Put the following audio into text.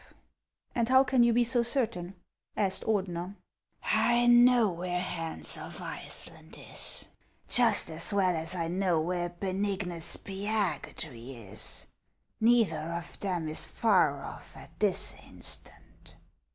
'• And how can you be so certain ?" asked Ordeuer. " I know where Hans of Iceland is, just as well as I know where Beuignus Spiagudry is ; neither of them is far off at this instant."